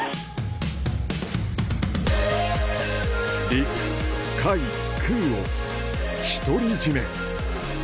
陸海空を、独り占め。